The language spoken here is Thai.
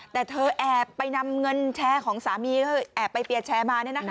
แต่เธอแอบไปนำเงินแชร์ของสามีเธอแอบไปเปียร์แชร์มา